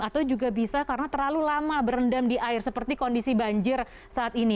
atau juga bisa karena terlalu lama berendam di air seperti kondisi banjir saat ini